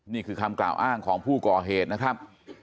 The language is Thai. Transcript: นี่คือคำกล่าวอ้างของผู้ก่อเหตุนะครับ